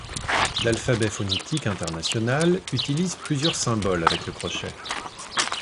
L’alphabet phonétique international utilise plusieurs symboles avec le crochet.